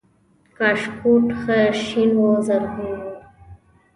کاشکوټ ښه شین و زرغون و